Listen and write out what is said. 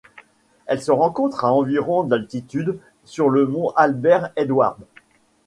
Elle se rencontre à environ d'altitude sur le mont Albert Edward.